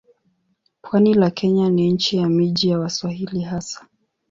Pwani la Kenya ni nchi ya miji ya Waswahili hasa.